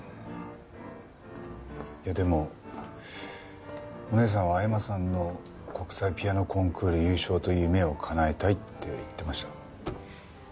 でもお姉さんは恵麻さんの国際ピアノコンクール優勝という夢を叶えたいって言ってました。